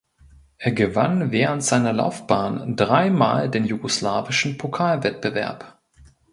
Er gewann während seiner Laufbahn dreimal den jugoslawischen Pokalwettbewerb.